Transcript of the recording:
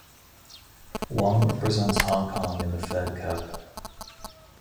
Wong represents Hong Kong in the Fed Cup.